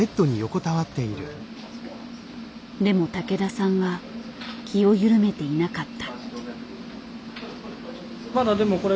でも竹田さんは気を緩めていなかった。